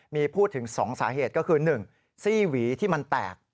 มีพูดถึง๒สาเหตุก็คือ๑ซี่หวีที่มันแตก